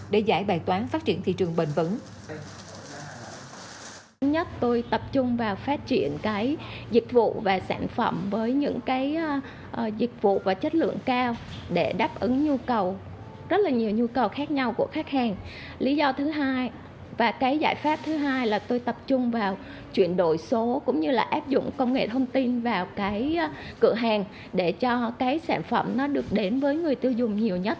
để giải bài toán phát triển thị trường bền vững